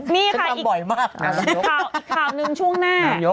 นี่ค่ะข่าวอีกข่าวหนึ่งช่วงหน้า